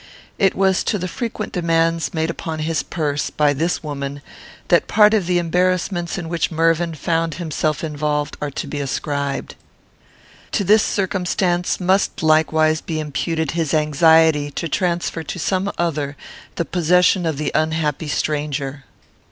It was to the frequent demands made upon his purse, by this woman, that part of the embarrassments in which Mervyn found him involved are to be ascribed. To this circumstance must likewise be imputed his anxiety to transfer to some other the possession of the unhappy stranger.